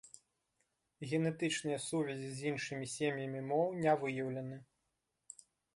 Генетычныя сувязі з іншымі сем'ямі моў не выяўлены.